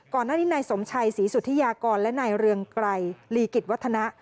ก่อนหน้านี้นายสมชัยศรีสุธิยากรและนายเรืองไกรลีกิจวัฒนะ